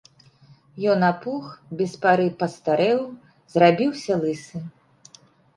Ён апух, без пары пастарэў, зрабіўся лысы.